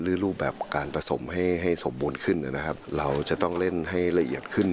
รูปแบบการผสมให้ให้สมบูรณ์ขึ้นนะครับเราจะต้องเล่นให้ละเอียดขึ้น